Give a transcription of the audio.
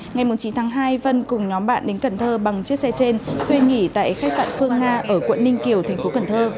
ngày chín tháng hai vân cùng nhóm bạn đến cần thơ bằng chiếc xe trên thuê nghỉ tại khách sạn phương nga ở quận ninh kiều tp cnh